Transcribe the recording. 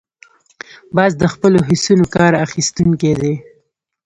باز د خپلو حسونو کار اخیستونکی دی